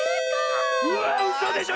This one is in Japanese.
うわうそでしょ！